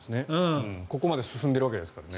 ここまで進んでいるわけですからね。